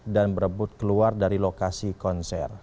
dan berebut keluar dari lokasi konser